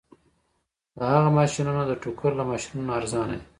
د هغه ماشینونه د ټوکر له ماشینونو ارزانه دي